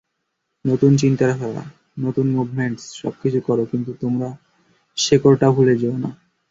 নতুন চিন্তাধারা, নতুন মুভমেন্টস, সবকিছু করো, কিন্তু তোমার শেকড়টা ভুলে যেও না।